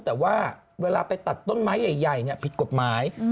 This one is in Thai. แต่ว่าเวลาไปตัดต้นไม้ใหญ่ผิดกฎหมาย